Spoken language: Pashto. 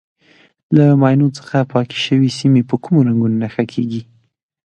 له ماینو څخه پاکې شوې سیمې په کومو رنګونو نښه کېږي.